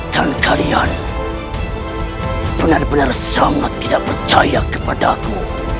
dan kalian benar benar sangat tidak percaya kepadaku